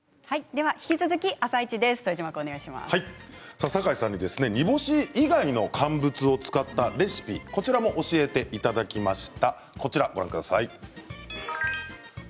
では引き続きサカイさんに煮干し以外の乾物を使ったレシピ教えていただきました。